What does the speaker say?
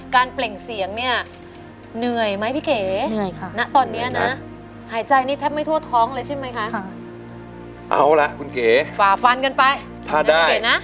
๊คุณก๋วตอนนั้นนั่งคุยกัน